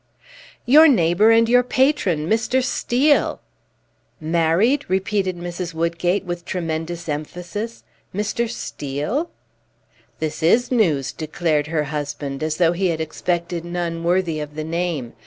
"Your neighbor and your patron Mr. Steel!" "Married?" repeated Mrs. Woodgate, with tremendous emphasis. "Mr. Steel?" "This is news!" declared her husband, as though he had expected none worthy of the name.